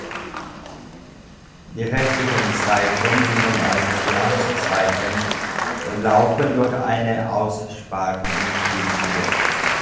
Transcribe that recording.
Die restlichen Saiten dienen als Resonanzsaiten und laufen durch eine Aussparung im Steg hindurch.